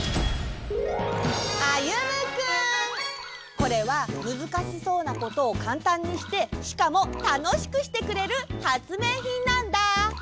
これはむずかしそうなことをかんたんにしてしかもたのしくしてくれるはつめいひんなんだ！